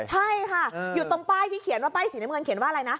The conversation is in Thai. ใช่ค่ะอยู่ตรงป้ายที่เขียนว่าป้ายสีน้ำเงินเขียนว่าอะไรนะ